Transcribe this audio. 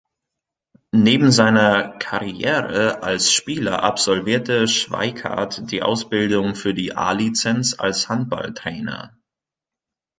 Neben seiner Karriere als Spieler absolvierte Schweikardt die Ausbildung für die A-Lizenz als Handballtrainer.